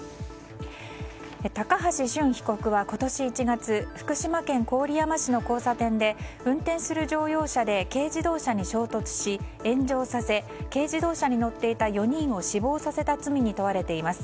高橋俊被告は今年１月福島県郡山市の交差点で運転する乗用車で軽自動車に衝突し、炎上させ軽自動車に乗っていた４人を死亡させた罪に問われています。